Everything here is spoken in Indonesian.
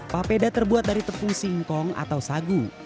papeda terbuat dari tepung singkong atau sagu